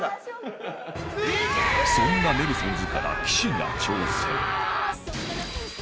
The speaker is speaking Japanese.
そんなネルソンズから岸が挑戦